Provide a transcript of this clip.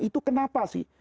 itu kenapa sih